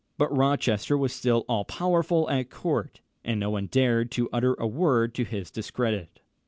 But Rochester was still all powerful at court, and no one dared to utter a word to his discredit.